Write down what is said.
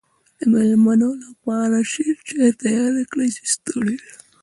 د مېلمنو لپاره شین چای تیار کړی چې ستړی دی.